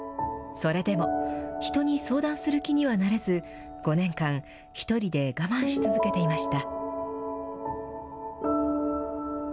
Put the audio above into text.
それでも、人に相談する気にはなれず、５年間、１人で我慢し続けていました。